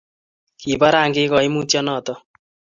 kibo rangik kaimutie noto